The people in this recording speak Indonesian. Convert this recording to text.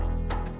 aku mau ke rumah